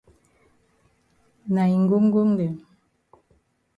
Na yi ngongngong dem.